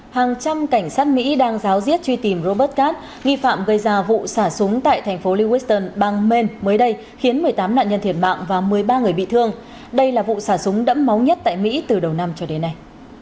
hàng trăm cảnh sát mỹ đang giáo diết truy tìm robert cat nghi phạm gây ra vụ xả súng tại thành phố lewiston bang maine mới đây khiến một mươi tám nạn nhân thiệt mạng và một mươi ba người bị thương đây là vụ xả súng đẫm máu nhất tại mỹ từ đầu năm cho đến nay